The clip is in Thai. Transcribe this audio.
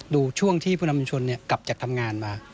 ดูช่วงที่ผู้นำชุมชนกลับจากทำงานมา